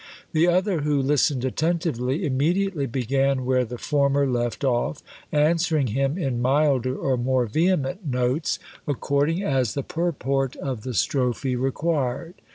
The other, who listened attentively, immediately began where the former left off, answering him in milder or more vehement notes, according as the purport of the strophe required.